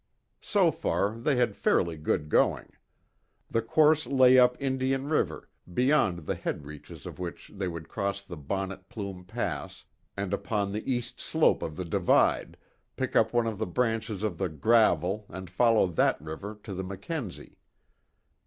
So far they had fairly good going. The course lay up Indian River, beyond the head reaches of which they would cross the Bonnet Plume pass, and upon the east slope of the divide, pick up one of the branches of the Gravel and follow that river to the Mackenzie.